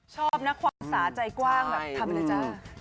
ชอบนะความสาใจกว้าง